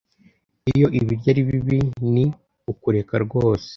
iyo ibiryo ari bibi, ni ukureka rwose